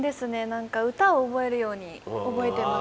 何か歌を覚えるように覚えてます。